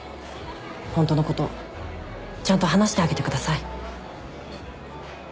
ホントのことちゃんと話してあげてください。